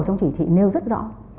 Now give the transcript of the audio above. trong chỉ thị nêu rất rõ